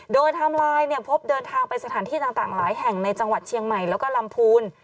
โดยไทม์ไลน์พบเดินทางไปสถานที่ต่างหลายแห่งในจังหวัดเชียงใหม่แล้วก็ลำพูน